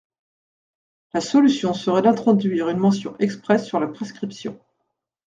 La solution serait d’introduire une mention expresse sur la prescription.